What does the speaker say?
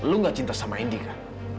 lo gak cinta sama ndi kan